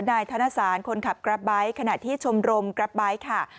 นายธนสารคนขับกราฟไบท์ขณะที่ชมรมกราฟไบท์ค่ะ